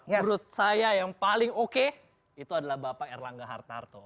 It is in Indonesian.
menurut saya yang paling oke itu adalah bapak erlangga hartarto